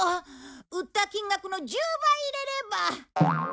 売った金額の１０倍入れれば。